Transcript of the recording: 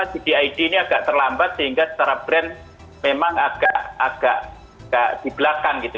ctib ini agak terlambat sehingga secara brand memang agak di belakang gitu